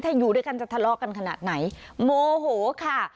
ถ้าอยู่ด้วยกันจะทะเลาะกันขนาดไหนโมโหค่ะ